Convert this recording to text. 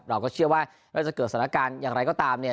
เราก็เชื่อว่าเราจะเกิดสถานการณ์อย่างไรก็ตามเนี่ย